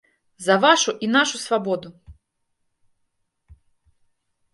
За вашу і нашу свабоду!